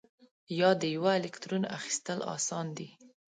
یا د یوه الکترون اخیستل آسان دي؟